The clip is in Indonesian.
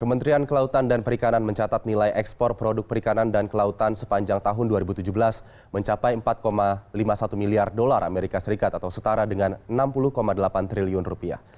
kementerian kelautan dan perikanan mencatat nilai ekspor produk perikanan dan kelautan sepanjang tahun dua ribu tujuh belas mencapai empat lima puluh satu miliar dolar as atau setara dengan enam puluh delapan triliun rupiah